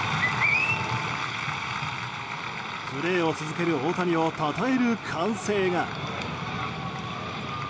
プレーを続ける大谷をたたえる歓声が。